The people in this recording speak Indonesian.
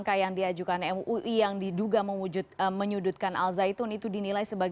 pada saat ini pengadilan di jakarta pusat sudah diadakan